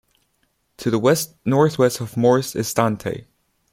To the west-northwest of Morse is Dante.